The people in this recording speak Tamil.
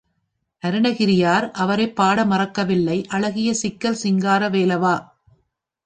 அருணகிரியார் அவரைப் பாடமறக்கவில்லை அழகிய சிக்கல் சிங்கார வேலவா!